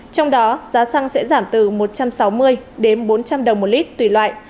trong đó giá xăng sẽ giảm từ một trăm sáu mươi đến bốn trăm linh đồng một lít tùy loại